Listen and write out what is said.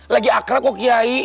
lagi akrab kok kiai